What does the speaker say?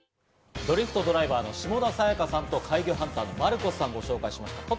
ドリフトドライバーの下田紗弥加さんと、怪魚ハンターのマルコスさんをご紹介しました。